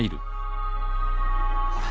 あれ？